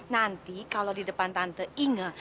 nanti kalau di depan tante inge